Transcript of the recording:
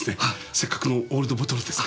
せっかくのオールドボトルですから。